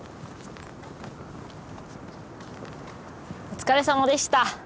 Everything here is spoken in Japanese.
お疲れさまでした。